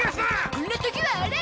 こんな時はあれ！